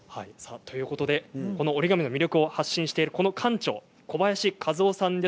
折り紙の魅力を発信している館長小林一夫さんです。